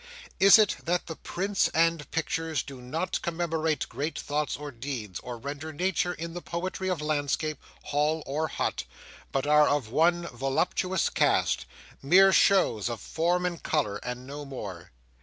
Is it that the prints and pictures do not commemorate great thoughts or deeds, or render nature in the Poetry of landscape, hall, or hut, but are of one voluptuous cast—mere shows of form and colour—and no more?